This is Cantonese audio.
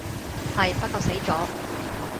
係，不過死咗